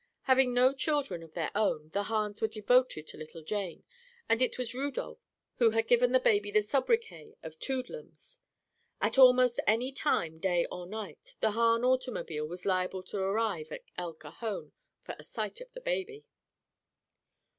Having no children of their own, the Hahns were devoted to little Jane and it was Rudolph who had given the baby the sobriquet of "Toodlums." At almost any time, night or day, the Hahn automobile was liable to arrive at El Cajon for a sight of the baby.